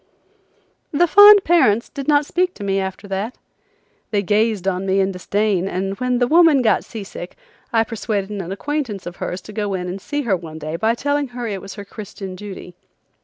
The fond parents did not speak to me after that. They gazed on me in disdain and when the woman got sea sick I persuaded an acquaintance of hers to go in and see her one day by telling her it was her Christian duty.